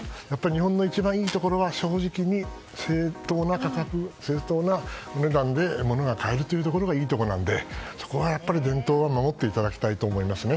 日本の一番いいところは正直に、正当な値段で物が買えるところがいいところなのでそこはやっぱり伝統は守っていただきたいと思いますね。